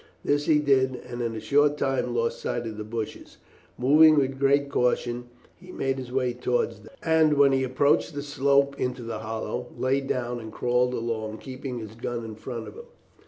This he did, and in a short time lost sight of the bushes. Moving with great caution, he made his way towards them, and when he approached the slope into the hollow, lay down and crawled along, keeping his gun in front of him.